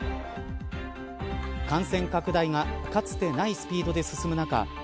感染拡大がかつてないスピードで進む中